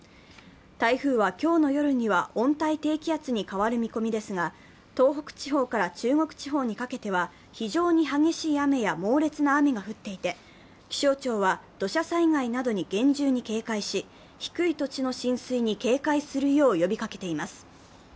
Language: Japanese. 台風は今日の夜には温帯低気圧に変わる見込みですが、東北地方から地国地方にかけては非常に激しい雨や猛烈な雨が降っていて、気象庁は、土砂災害などに厳重に警戒し、低い土地の浸水に警戒するよう呼びかけています。